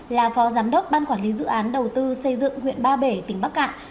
là phó giám đốc ban quản lý dự án đầu tư xây dựng huyện ba bể tỉnh bắc cạn